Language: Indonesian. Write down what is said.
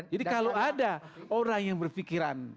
jadi kalau ada orang yang berpikiran